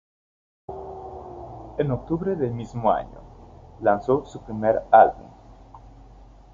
En octubre del mismo año, lanzó su primer álbum "重生".